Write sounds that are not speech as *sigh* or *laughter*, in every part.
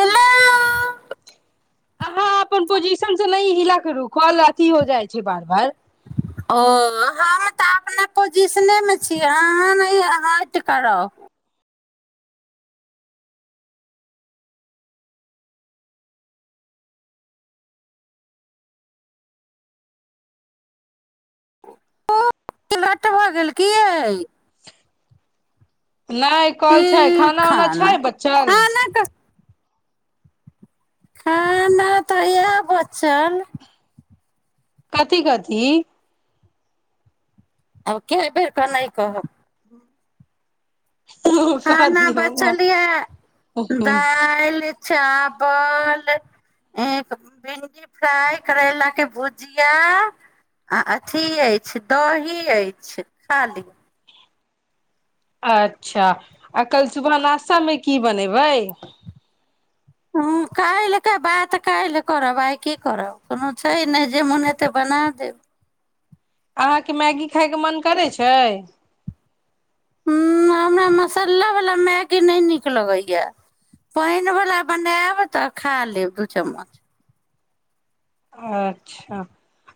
hello अहाँ अपन पोजिशनसँ नहि हिला करू कॉल अथी हो जाइ छै बार बार ओ अहाँ तऽ अपना पोजिशनेमे छियै अहाँ नै हटि क रहु ओट भऽ गेल की यै नहि कॉल छै खाना उना छै बचल खाना खाना तऽ इहाए बचल कथि कथि आब केए बेर कऽ नहि कहब कह खाना दियौ ने बचल या दालि चावल एक भिंडी फ्राइ करैलाक के भुजिया आ अथि अछि दही अछि खा लिय अच्छा आ कल्ह सुबह नश्तामे की बनेबै हँ काल्हिके बात काल्हि करब आइ की करब कोनो छै नहि जे मोन हेतै बना देब अहाँके मैगी खाइके मन करै छै हूँ हमरा मसाला वलाा मैगी नहि नीक लगैया पानि वला बनायब तऽ खा लेब दू चम्मच अच्छा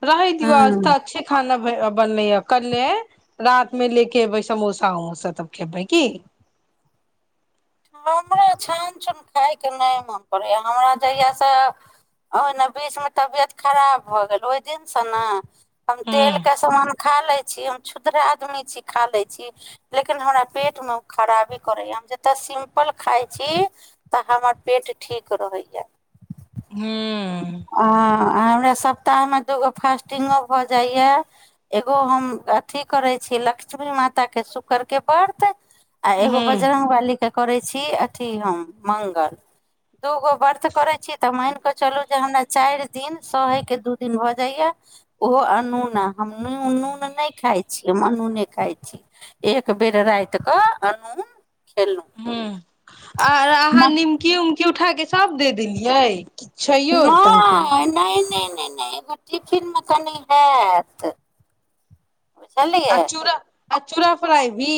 रहै दियौ आज हँ तऽ छे खाना बे-बनलै या कल्हे रात मे ले के एबै समोसा अमोसा तब खबै की हमरा छानछून खाइके नहि मोन पड़ैए हमरा जहियासँ ओहिना बीचमे तबियत खराब भऽ गेल ओहि दिनसँ न हम ह तेलके समान खा लैत छी हम छुद्र आदमी छी खा लैत छी लेकिन हमरा पेटमे ओ खराबी करै या हम जे तऽ सिम्पल खाइ छी तऽ हमर पेट ठीक रहैया ह आ-अ आ हमरा सप्ताहमे दूगो फास्टिंगो भऽ जाइया एगो हम अथि करै छी लक्ष्मी माताके शुक्रके व्रत आ ह एगो बजरंगबली के करै छी अथी हम मंगल दूगो वर्त करै छी तऽ मनि कऽ चलू जे हमरा चारि दिन सहैके दू दिन भऽ जाइया ओहो अनूना हम नून नून नहि खाइ छी हम अनूने खाइ छी एक बेर रातिकऽ अनून खेऽलूं हूँ आर अहाँ निमकी उमकी उठा के सभ दे देलियै कि छैयो नै तनिको नहि नहि नहि नहि एगो टिफिन मे कनि हाएत खैलियै आचूरा फ्राइ भी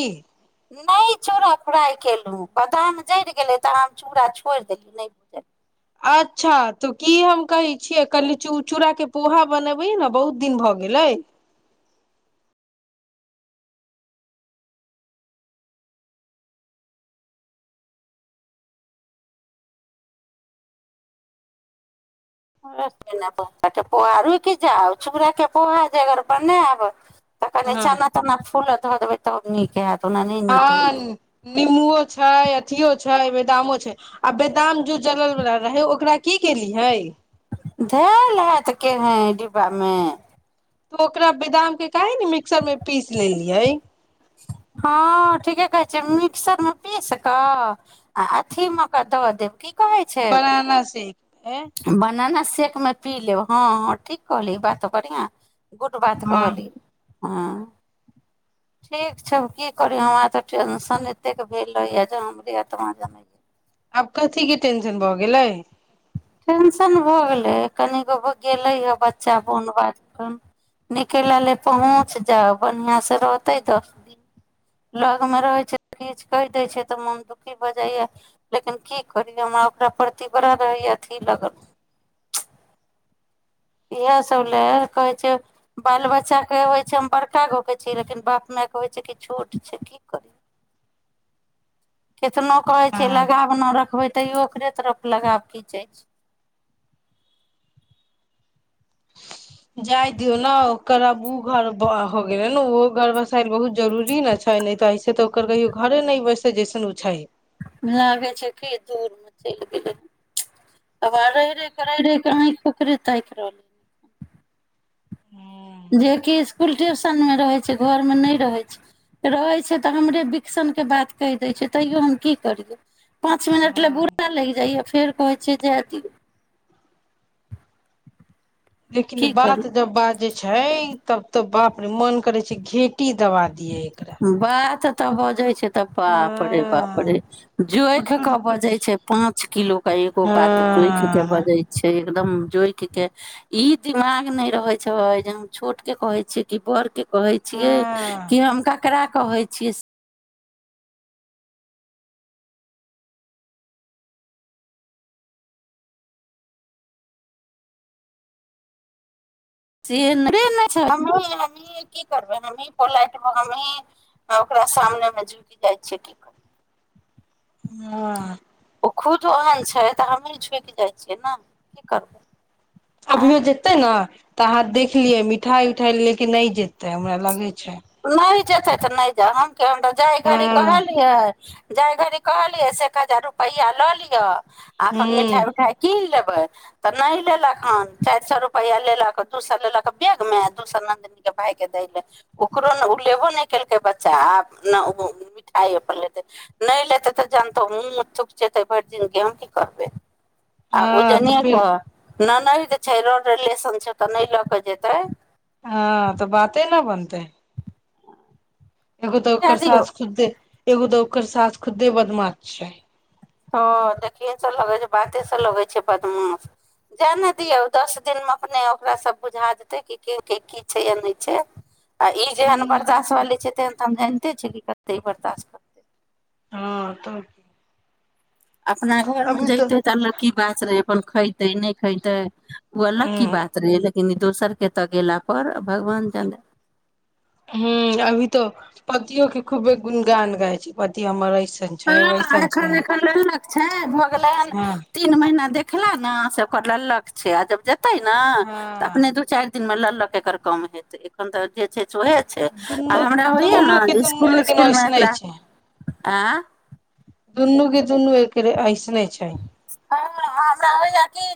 नहि चूरा फ्राई केलहुँ बादाम जरि गेलै तऽ हम चूड़ा छोड़ि देलियै नहि भूजलियै अच्छा तऽ की हम कहै छियै कनि चू-चूड़ाके पोहा बनेबहिं न बहुत दिन भऽ गेलै *unintelligible* पोहा रूक जाउ चूरा के पोहा जे अगर बनाब तऽ कने हँ चना तना फूलऽ धऽ देबै तऽ आओर नीक हाएत हँ नीमबुओ छै अथियौ छै छै बदामो छै आ बदाम जो जलल वला रहै ओकरा की केलियै धेऽल हाएत केहें डिब्बामे तो ओकरा बादाम के काहे ने मिक्सरमे पीस लेलियै हँ ठीके कहै छै मिक्सरमे पीस कऽ आ अथीमे कऽ दऽ देब की बनाना सेख बनान से सेेक मे पी लेब हँ हँ ठीक कहलियै ई बात तऽ बढ़ियाँ गुड बात हँ कहलियै हँ ठीक छै की करी हमरा तऽ टेंशन एतेक भेल रहैय या जे हमरे अत्मा जानै आब कथिके टेंशन भऽ गेलै टेंशन भऽ गेलै कनिगो गेलै हें बच्चा बोन बाद नीके लाले पहुँच जाइ बढ़ियाँ से रहतै त लगमे रहै छै त किछ कहि दै छै तऽ मोन दुखी भऽ जाइया लेकिन की करियै हमरा ओकरा प्रति बड़ा रहैया अथि लागल इहाए सभ लए कहै छै बाल बच्चाकेँ होइ छै हम बड़का गो छी लेकिन बाप मायके होइ छै की छोट छै की करियै केतनो कहै छै हँ लगाव न रखबै तैयो ओकरे तरफ लगाव खीचै छै जाइ दियौ न ओकर अब ओ घर भ-हो गेले न ओहो घर बसायल बहुत जरूरी ने छै न तऽ ऐसे तऽ ओकर कहियो घरे न बैसतै जैसेन उ छै लागै छै कि दूर चलि गेलै आब रहै रहै क रहै रहै क आँखि ओकरे ताकि रहलै जेकि इसकुल ट्यूशनमे रहै छै घरमे नहि रहै छै रहै छै तऽ हमरे विक्सनके बात कहि दै छै तैओ हम की करियै पाँच मिनट लाए बुरा लागि जाइ या फेर कहै छियै जाइ दियौ लेकिन की करियै बात जब बात जे छै तब तो बाप रे मन करै छै घेटी दवा दियै एकरा बात तऽ बजै छै तब बाप रे बाप हँ रे जोइख के पुटुर बजे पुट छै पांच किलो के एगो बात जोइख के हँ बजे छै एकदम जोइख के ई दिमाग नहि रहे छै जे हम छोट के कहय छियै कि बड़ के कहै छियै हँ कि हम क ककरा कहै छियै से नहि छै हमरो लग अभी कि करबै हमही पोलाइट हमहीं ओकरा सामनेमे झुकि जाइ छियै की ह ओ खुद ओहन छै तऽ हमहीँ झुकि जाइ छियै ने की करबै आँ अभियो जेतै ने तऽ अहाँ देख लिये मिठाई उठाई ले के नै जेतय हमरा लागय छै नहि जेतै तऽ नहि जाउ कि हम तऽ जाय घड़ी हँ कहलियै जाय घड़ी कहलियै से एक हजार रुपैआ लऽ लिअ आ अपन मिठाई हूँ उठाई किन लेब तऽ नहि लेलक हन चारि सए रुपैआ लेलक दू सए लेलक बैगमे दू सए नन्दनीक के भाय के दै ले ओकरो ने ओ लेबो नहि केलकै बच्चा आब नहि ओ मिठाई अपन लेतै नहि लेतै तऽ जानतौ मुँह थुकचैतै भरि दिन कि हम की करबै आ हँ ओजने तऽ नै फिर एतऽ ननैद छै रोड रिलेशन छै तऽ नहि लए केऽ जेतै हँ तऽ बाते न बनतै देखु तऽ दए ओकर दियौ सास खुदे एगो तऽ ओकर सास खुदे बदमाश छै हँ देखियसँ लगै छै बाते सँ लगै छै बदमाश जाय ने दियौ दस दिनमे अपने ओकरा सभ बुझा देतै कि के के की छै य नहि छै आ ई जेहन बर्दाश्त वाली छै तेहन हम जानिते छियै कि कते ई बर्दाश्त करतै हँ तऽ कि अपना घर में जयते तऽ अलगे बात रहय अपन खयते नहि खयतै ओ अलग ह की बात रहय कनी दोसर के एतऽ गेला पर भगवान जानै ह अभी तऽ पतियो के खूबे गुनगान गाय छै पति हमर ऐसन छै हँ वैसन छै एखन एखन लल्लक छै भऽ गेलै हन हँ तीन महीना दे देखला ने से ओकर लल्लक छै आ जब जे तै ने तऽ अपने हँ दू चारि दिनमे लल्ल क एकर कम हेतै एखन तऽ जे छै सोहे छै आ दुनू हमरा होइयै ने दुनू के जे दुनू इसकुल लेकिन उस्कुलमे ऐसने एकरा आँ दुनूक दुनू एकरे अइस हँ हमरा होइयै की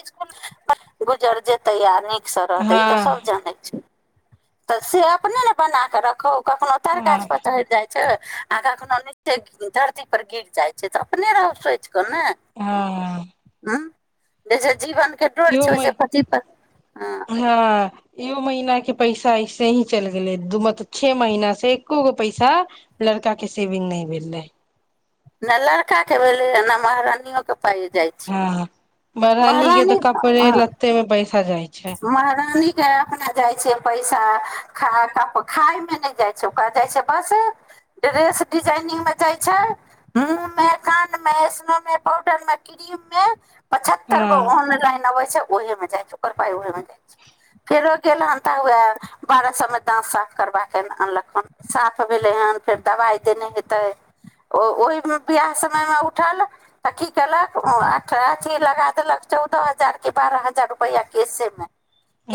इसकुल *unintelligible* गुजर जेतै आ न रहतै ई तऽ सब हँ जानै छै तऽ से अपने ने बना कऽ रखो कखनो तार हँ गाछ पर चढ़ि जाय आ कखनो नीचे धरती पर गिर जाइ छै तऽ अपने रहसैय छै कहें हँ ऐं *unintelligible* जीवन के डोर इहो छौ से मे पति पर हँ इहो महीना के पैसा ऐसे ही चलि गेले दू मत छे महीना से एको गो पैसा लड़का के सेविंग नहि भेल रहे नहि लड़का के भेले नहि महारानियो के पाइ जे जाइ छै महरानीे के तऽ कपड़े हँ लतेमे पैसा जाइ छै महरानी के अपना जाइ छै पैसा खाता पर खायमे नहि जाइ छै ओकरा जाइ छै बस ड्रेस डिजाइनिंगमे जाइ छै मुँहमे कानमे ऐसनोमे पाउडरमे क्रीममे पचहत्तर गो हँ ऑनलाइन अबै छै ओहिमे जाइ छै ओकर पाइ ओहमे जाय छै फेरो गेल हन तऽ उह बारह सए मे दाँत साफ करबा कऽ के अनलक हन साफ भेलै हन फेर दवाइ देने हेतै ओ ओहि बियाह समय मे उठल तऽ की केलक अठ अथी लगा देलक चौदह हजार के बारह हजार पैआ केसेमे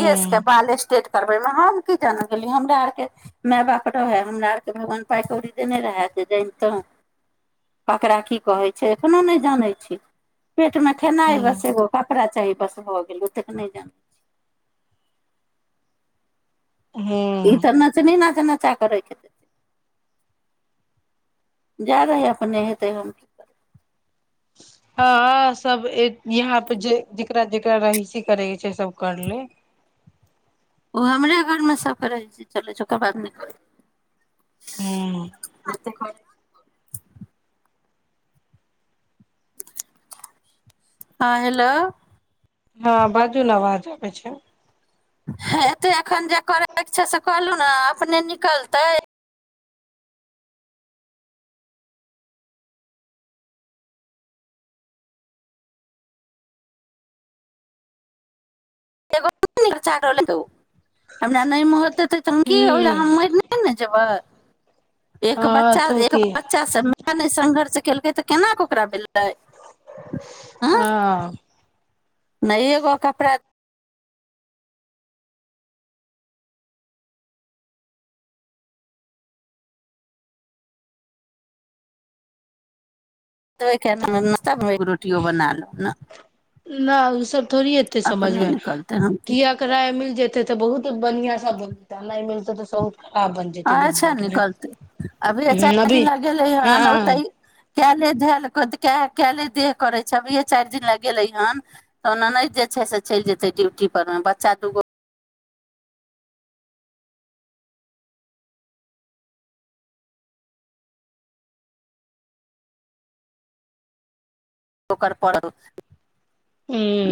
केसके बाल स्टेट करबैमे हम की जानय गेलियै हमरा आरके माय बाप रहय हमरा आरके भगवान पाइ कौड़ी देने रहए जे जनितहुँ ककरा की कहै छै एखनो नहि जानै छी पेट मे खेनाय बस हूँ एगो कप रा चाही बस भऽ गेलौ तक नहि जानै ई हूँ तऽ नचनी ना चा के रखि देतै जा दीहीं अपने हेतै हम कि करबै हँ सब यहाँ पे जे जकरा जेकरा रहिसी करैके छै सब कर ले ओ हमरा घरमे सबके रहिसी चल छै ओकर बाद न हूँ एते करय *unintelligible* हँ हेलो हँ बाजू ने अवाज आबै छै ह एते एखन जे करयके छै से कऽ लू ने अपने निकलतै *unintelligible* हमरा नहि मह देतै तऽ कि ओहि हूँ लेल मरिनै ने जेबै एक हँ बच्चा तो एक की बच्चा से मन संघर्ष केलकै तऽ केना कऽ ओकरा भेलै हँ नहि एगो कपड़ा दै के नाम *unintelligible* तबो रोटियो बना लू ने नहि उ सब थोड़ी एतै अपने समझमे निकलतै हम की कियै कराय मिल जेतै तऽ बहुत बढ़िआँ सब *unintelligible* नहि मिलतै तऽ खराब बन जेतै दू अच्छा मिनट मे निकलते अभी चार अभी दिन लए गेलै हँ हन ओतै हँ काल्हि धए ल कए काल्हि देह करै छै अभिए चारि दिन लए गेलै हन तऽ ओना नहि जे छै से चलि जेतै ड्यूटीपरमे बच्चा दू गो ओकर पड़ौ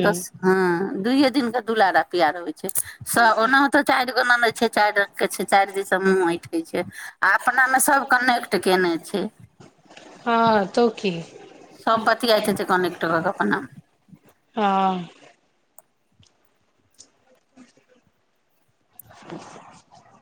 दस हँ दूइए दिनकऽ दुलार आ प्यार होइ छै सब ओनाहुतो चारि ओकरो ननैद छै चारि रंग के छै चारि दिससँ मुँह ऐठे छै आ अपना मे सब कनेक्ट केने छै हँ तऽ कि सभ बतियात हेतै कनेक्ट कऽ के अपना मे हँ *inaudible*